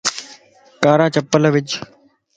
ڪارا ڪپڙا وِج